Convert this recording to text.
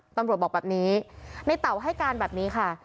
ตำรวจบอกแบบนี้ในเต่าให้การแบบนี้ค่ะ